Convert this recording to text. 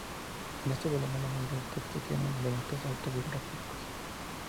En este volumen la mayoría de textos tienen elementos autobiográficos.